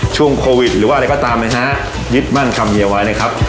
ช่วงโควิดหรือว่าอะไรก็ตามนะฮะยึดมั่นคำเฮียไว้นะครับ